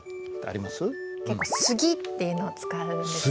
結構「すぎ」っていうのを使うんですけど。